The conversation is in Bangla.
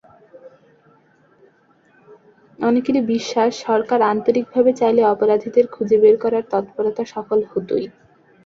অনেকেরই বিশ্বাস, সরকার আন্তরিকভাবে চাইলে অপরাধীদের খুঁজে বের করার তৎপরতা সফল হতোই।